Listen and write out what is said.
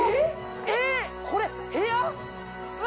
えっこれ部屋！？わ